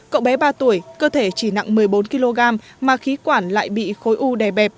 cậu bé ba tuổi cơ thể chỉ nặng một mươi bốn kg mà khí quản lại bị khối u đè bẹp